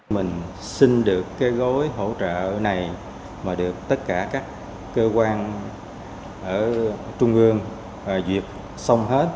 mình xin được cái gói hỗ trợ này mà được tất cả các cơ quan ở trung ương duyệt xong hết